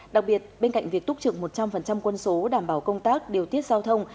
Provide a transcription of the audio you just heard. đặc biệt bên cạnh việc túc trực một trăm linh quân số đảm bảo công tác điều tiết giao thông